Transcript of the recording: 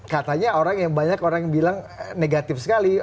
katanya orang yang banyak orang yang bilang negatif sekali